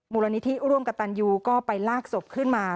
มูลนิธิร่วมกับตันยูก็ไปลากศพขึ้นมา